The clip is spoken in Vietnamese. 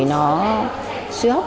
nó suy hốc